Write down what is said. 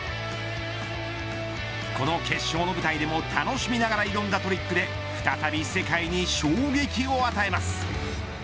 この決勝の舞台でも楽しみながら挑んだトリックで再び世界に衝撃を与えます。